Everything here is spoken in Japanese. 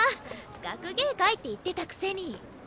学芸会って言ってたくせに。